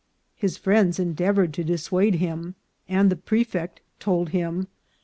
His friends endeavoured to dis suade him, and the prefect told hiniy."